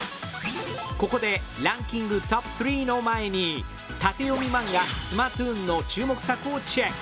ここでランキングトップ３の前に縦読み漫画「ＳＭＡＲＴＯＯＮ」の注目作をチェック！